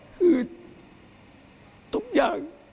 คือทุกอย่าง